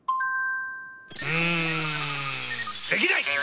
うんできない！